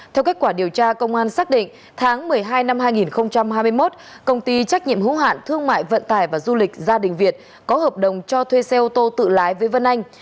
theo kết quả điều tra công an xác định tháng một mươi hai năm hai nghìn hai mươi một công ty trách nhiệm hữu hạn thương mại vận tải và du lịch gia đình việt có hợp đồng cho thuê xe ô tô tự lái với vân anh